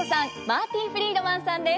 マーティ・フリードマンさんです。